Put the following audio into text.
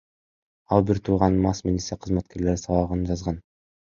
Ал бир тууганын мас милиция кызматкерлери сабаганын жазган.